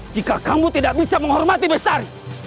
jika kamu tidak bisa menghormati bestari